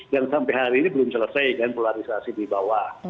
dan sampai hari ini belum selesai kan polarisasi di bawah